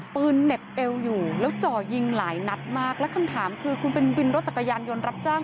เหน็บเอวอยู่แล้วจ่อยิงหลายนัดมากแล้วคำถามคือคุณเป็นวินรถจักรยานยนต์รับจ้าง